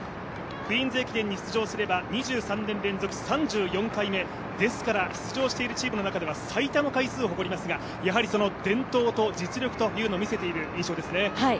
クイーンズ駅伝に出場すれば２３年連続３４回目、ですから出場しているチームの中では最多の回数を誇りますが伝統と実力というのを見せている印象ですね。